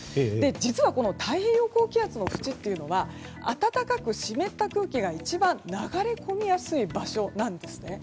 実は太平洋高気圧の縁というのは暖かく湿った空気が一番流れ込みやすい場所なんです。